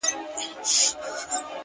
غنمرنگو کي سوالگري پيدا کيږي؛